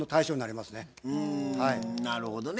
うんなるほどね。